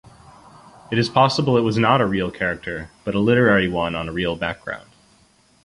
It is possible it was not a real character but a literary one on a real background.